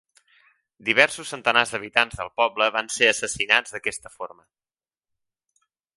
Diversos centenars d'habitants del poble van ser assassinats d'aquesta forma.